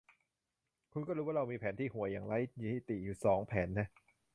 คุณก็รู้ว่าเรามีแผนที่ห่วยอย่างไร้ที่ติอยู่สองแผนนะ